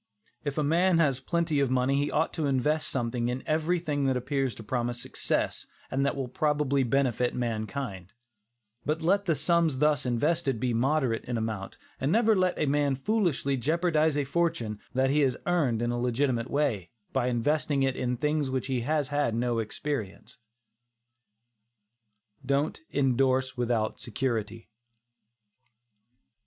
If a man has plenty of money he ought to invest something in everything that appears to promise success and that will probably benefit mankind; but let the sums thus invested be moderate in amount, and never let a man foolishly jeopardize a fortune that he has earned in a legitimate way, by investing it in things in which he has had no experience. DON'T INDORSE WITHOUT SECURITY.